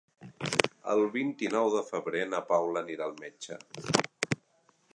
El vint-i-nou de febrer na Paula anirà al metge.